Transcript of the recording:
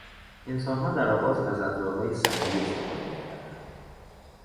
انسانها در آغاز از ابزارهای سنگی استفاده میکردند.